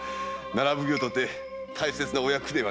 奈良奉行とて大切なお役ではないか。